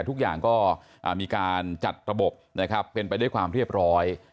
ทุกอย่างก็มีการจัดระบบนะครับเป็นไปด้วยความเรียบร้อย